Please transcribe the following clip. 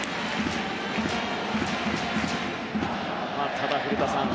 ただ、古田さん。